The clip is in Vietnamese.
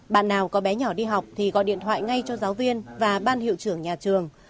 bạn nào có bé nhỏ đi học thì gọi điện thoại ngay cho giáo viên và ban hiệu trưởng nhà trường